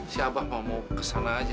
si abah mau kesana saja